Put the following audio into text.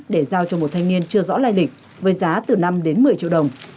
để giao cho một thanh niên chưa rõ lai lịch với giá từ năm đến một mươi triệu đồng